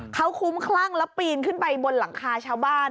เขาคุ้มคลั่งแล้วปีนขึ้นไปบนหลังคาชาวบ้าน